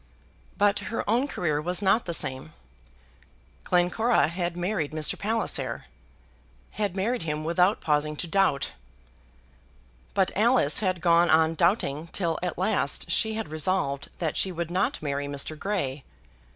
But her own career was not the same. Glencora had married Mr. Palliser, had married him without pausing to doubt; but Alice had gone on doubting till at last she had resolved that she would not marry Mr. Grey.